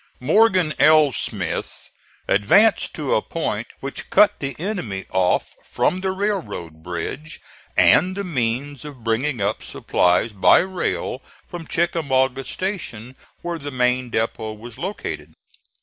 Morgan L. Smith advanced to a point which cut the enemy off from the railroad bridge and the means of bringing up supplies by rail from Chickamauga Station, where the main depot was located.